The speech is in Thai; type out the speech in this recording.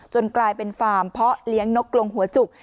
กลายเป็นฟาร์มเพาะเลี้ยงนกกลงหัวจุก